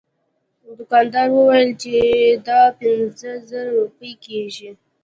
دوکاندار وویل چې دا پنځه زره روپۍ کیږي.